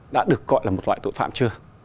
đã được gọi là một loại tội phạm chưa